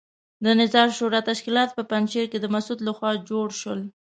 د نظار شورا تشکیلات په پنجشیر کې د مسعود لخوا جوړ شول.